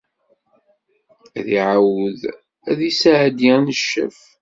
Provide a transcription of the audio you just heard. Ad iɛawed ad d-yesɛeddi aneccaf.